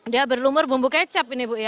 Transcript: dia berlumur bumbu kecap ini bu ya